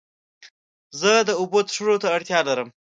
زه د اوبو څښلو ته اړتیا لرم.